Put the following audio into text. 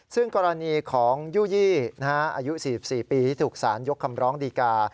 ซึ่งกรณีของยู่ยี่อายุ๔๔ปีที่ถูกสารยกคำร้องดีกา